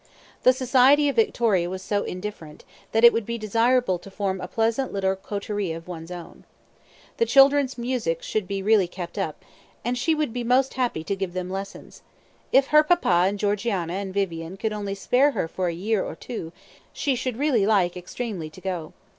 The society of Victoria was so indifferent, that it would be desirable to form a pleasant little coterie of one's own. The children's music should really be kept up; and she would be most happy to give them lessons. If her papa and Georgiana and Vivian could only spare her for a year or two, she should really like extremely to go.